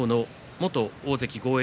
元大関豪栄